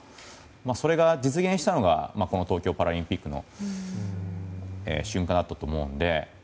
それが実現したのが東京パラリンピックの瞬間だったと思うので。